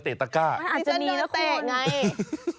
เดี๋ยว